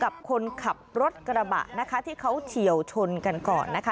กับคนขับรถกระบะนะคะที่เขาเฉียวชนกันก่อนนะคะ